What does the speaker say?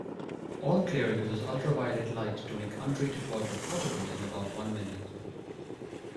All Clear uses ultraviolet light to make untreated water potable in about one minute.